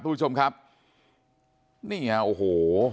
ทุกผู้ชมครับนี่ฮะโอ้โห